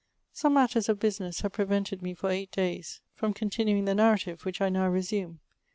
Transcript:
Some matters of business have prevented me for eight days from continuing the narrative, which I now resume.